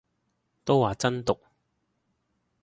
都話真毒